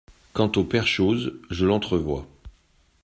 Quant au père Chose, je l'entrevois.